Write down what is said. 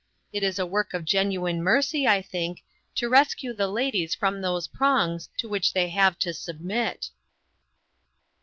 It is a work of genuine mercy, I think, to rescue the ladies from those prongs to which they have to submit."